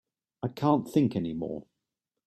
I can't think any more.